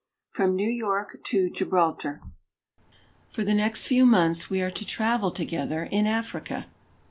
FROM NEW YORK TO GIBRALTAR FOR the next few months we are to travel tofjethi Africa.